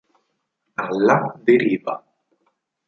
Alla deriva